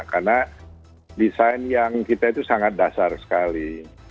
karena desain yang kita itu sangat dasar sekali